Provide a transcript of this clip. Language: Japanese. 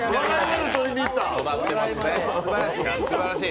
すばらしい。